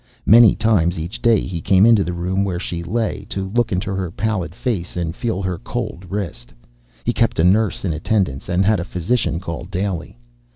Many times each day he came into the room where she lay, to look into her pallid face, and feel her cold wrist. He kept a nurse in attendance, and had a physician call daily.